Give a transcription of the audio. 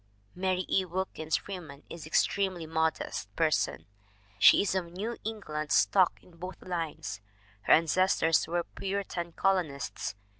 MARY E. WILKINS FREEMAN 201 Mary E. Wilkins Freeman is an extremely modest person. She is of New England stock in both lines. Her ancestors were Puritan colonists.